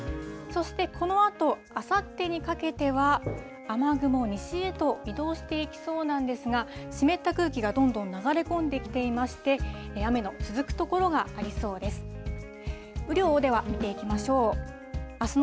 そしてこのあと、あさってにかけては雨雲、西へと移動していきそうなんですが、湿った空気がどんどん流れ込んできていまして、雨の続く所がありそうです。